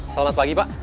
selamat pagi pak